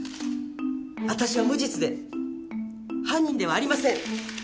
私は無実で犯人ではありません。